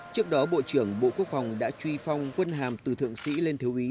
trước đó bộ trưởng bộ quốc phòng đã truy phong quân hàm từ thượng sĩ lên thiếu ý